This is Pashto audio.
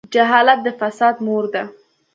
جهالت د فساد مور ده.